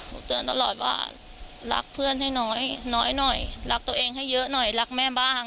เตือนตลอดว่ารักเพื่อนให้น้อยน้อยหน่อยรักตัวเองให้เยอะหน่อยรักแม่บ้าง